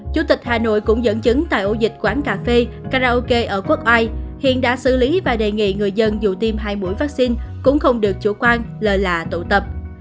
chủ tịch hà nội cũng dẫn chứng tại ổ dịch quán cà phê karaoke ở quốc oai hiện đã xử lý và đề nghị người dân dù tiêm hai mũi vaccine cũng không được chủ quan lờ là lạ tụ tập